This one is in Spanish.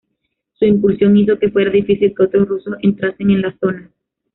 Su incursión hizo que fuera difícil que otros rusos entrasen en la zona.